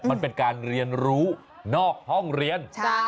มันเป็นการเรียนรู้นอกห้องเรียน